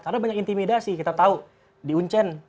karena banyak intimidasi kita tahu di uncen